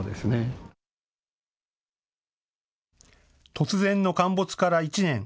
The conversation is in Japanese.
突然の陥没から１年。